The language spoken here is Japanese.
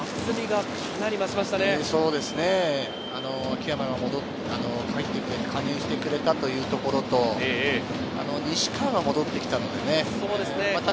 秋山が入ってきて加入してくれたっていうところと、西川が戻って来たのでね。